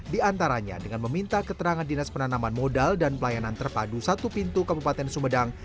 di antaranya dengan meminta keterangan dinas penanaman modal dan pelayanan terpadu satu pintu kabupaten sumedang